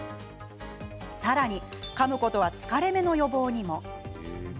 さらに、かむことは疲れ目の予防にも。